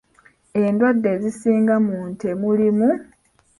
Endwadde ezisinga mu nte mulimu: